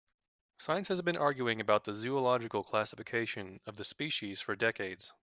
Science has been arguing about the zoological classification of the species for decades.